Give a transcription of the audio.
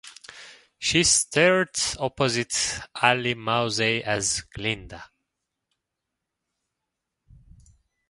She starred opposite Alli Mauzey as Glinda.